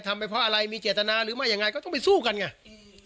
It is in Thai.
ไปเพราะอะไรมีเจตนาหรือไม่ยังไงก็ต้องไปสู้กันไงอืม